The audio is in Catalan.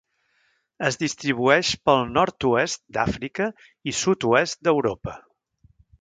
Es distribueix pel nord-oest d'Àfrica i sud-oest d'Europa.